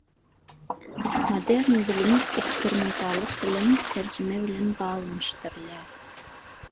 Modern bilim eksperimentallyk bilen, tejribe bilen baglanşdyrylýar.